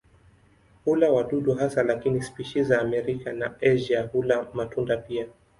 Hula wadudu hasa lakini spishi za Amerika na Asia hula matunda pia.